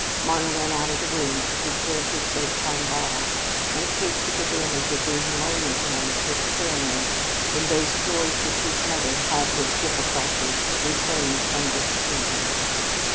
Marna went out of the room to prepare his bedtime bottle, and Kate took advantage of being alone with him to experiment in those joys which his mother had with difficulty refrained from descanting upon.